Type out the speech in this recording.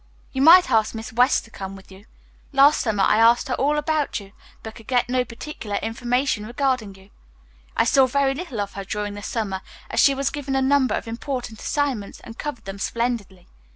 "You might ask Miss West to come with you. Last summer I asked her all about you but could get no particular information regarding you. I saw very little of her during the summer, as she was given a number of important assignments and covered them splendidly.